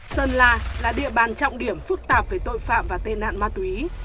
sơn la là địa bàn trọng điểm phức tạp về tội phạm và tên nạn ma túy